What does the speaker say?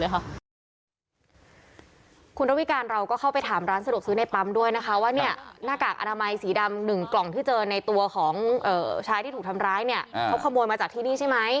คุณระวิการเราก็เข้าไปถามร้านสะดวกซื้อในปั๊มด้วยนะคะว่าเนี่ยหน้ากากอนามัยสีดำ๑กล่องที่เจอในตัวของชายที่ถูกทำร้ายเนี่ยเขาขโมยมาจากที่นี่ใช่ไหม